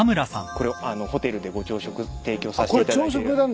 これホテルでご朝食提供させていただいてる。